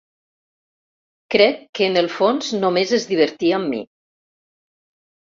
Crec que en el fons només es divertia amb mi.